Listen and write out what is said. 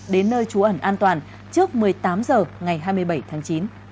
đến nơi trú ẩn an toàn trước một mươi tám h ngày hai mươi bảy tháng chín